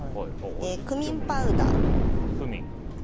クミンパウダー。